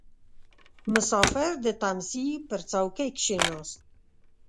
• مسافر د تمځي پر څوکۍ کښېناست.